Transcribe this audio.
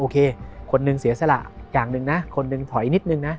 คนหนึ่งเสียสละอย่างหนึ่งนะคนหนึ่งถอยนิดนึงนะ